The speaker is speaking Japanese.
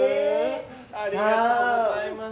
ありがとうございます。